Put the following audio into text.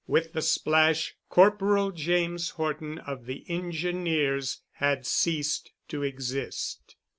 With the splash Corporal James Horton of the Engineers had ceased to exist.